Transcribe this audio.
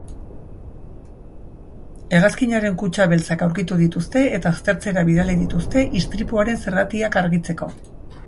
Hegazkinaren kutxa beltzak aurkitu dituzte eta aztertzera bidali dituzte, istripuaren zergatiak argitzeko.